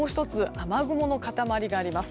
雨雲の塊があります。